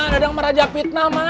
dadang merajak fitnah ma